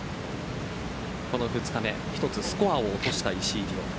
この２日目、１つスコアを落とした石井理緒。